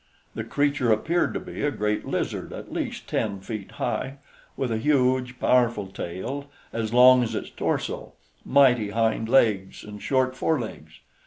The creature appeared to be a great lizard at least ten feet high, with a huge, powerful tail as long as its torso, mighty hind legs and short forelegs.